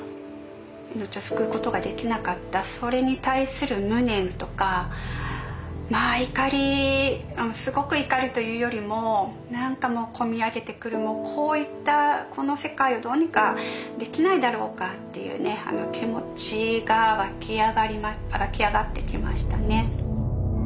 命を救うことができなかったそれに対する無念とかまあ怒りすごく怒るというよりも何かもうこみ上げてくるもうこういったこの世界をどうにかできないだろうかっていう気持ちが湧き上がってきましたね。